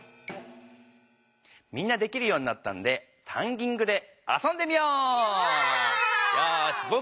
みんなできるようになったんでタンギングで遊んでみよう！